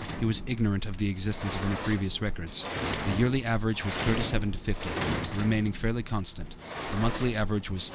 He was ignorant of the existence of any previous records. The yearly average was 37 to 50, remaining fairly constant; the monthly average was 3.